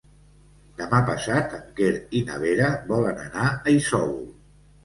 Demà passat en Quer i na Vera volen anar a Isòvol.